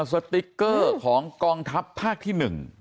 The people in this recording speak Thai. สติ๊กเกอร์ของกองทัพภาคที่๑